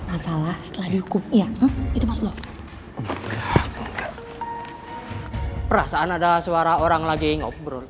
barusan saya denger suara mudamudi lagi ngobrol